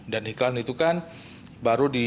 dan iklan itu kan baru dibuat